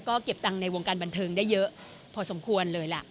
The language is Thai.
ก็เก็บตังค์ในวงการบันเทิงได้เยอะพอสมควรเลยล่ะ